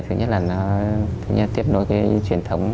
thứ nhất là nó tiếp nối cái truyền thống